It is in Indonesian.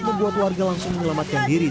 membuat warga langsung menyelamatkan diri